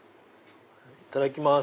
いただきます。